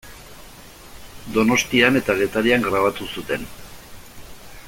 Donostian eta Getarian grabatu zuten.